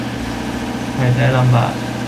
หายใจลำบาก